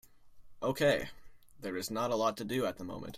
Okay, there is not a lot to do at the moment.